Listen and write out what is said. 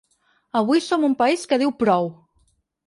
Avui som un país que diu prou.